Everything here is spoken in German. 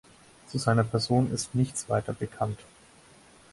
Zu seiner Person ist nichts weiter bekannt.